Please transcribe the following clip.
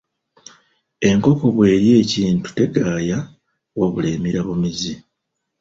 Enkoko bw'erya ekintu tegaaya wabula emira bumizi.